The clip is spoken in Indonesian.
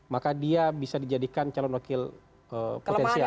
maka dia bisa dijadikan calon wakil potensial